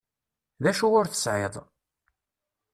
D acu ur tesεiḍ?